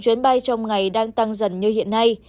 chuyến bay trong ngày đang tăng dần như hiện nay